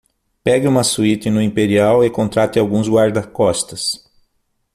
Pegue uma suíte no Imperial e contrate alguns guarda-costas.